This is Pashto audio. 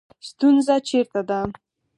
ستونزه چېرته ده